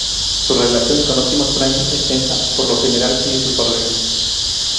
Su relación con Optimus Prime es tensa, pero por lo general sigue sus órdenes.